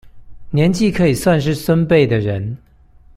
年紀可以算是孫輩的人